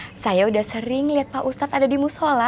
nah saya udah sering lihat pak ustadz ada di musola